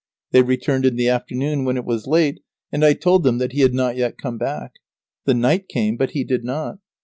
They returned in the afternoon when it was late, and I told them that he had not yet come back. The night came, but he did not.